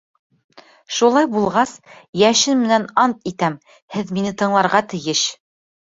Шулай булғас, йәшен менән ант итәм, һеҙ мине тыңларға тейеш!